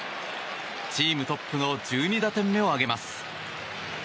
チームトップの１２打点目を挙げます。